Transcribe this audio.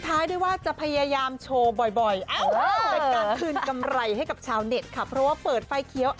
ถ้าไม่เบื่อกันใครจะเบื่อไงค่ะพี่เดี๋ยว